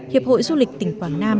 hiệp hội du lịch tỉnh quảng nam